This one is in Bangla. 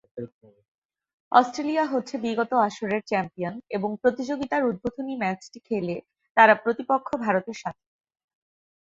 অস্ট্রেলিয়া হচ্ছে বিগত আসরের চ্যাম্পিয়ন, এবং প্রতিযোগিতার উদ্বোধনী ম্যাচটি খেলে তারা প্রতিপক্ষ ভারতের সাথে।